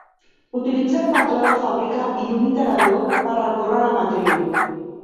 Utilitza el patró de fàbrica i un iterador per recórrer la matriu.